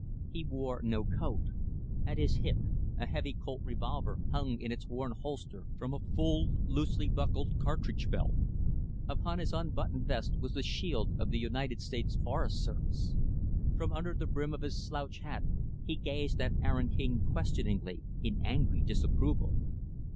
He wore no coat. At his hip, a heavy Colt revolver hung in its worn holster from a full, loosely buckled, cartridge belt. Upon his unbuttoned vest was the shield of the United States Forest Service. From under the brim of his slouch hat, he gazed at Aaron King questioningly in angry disapproval.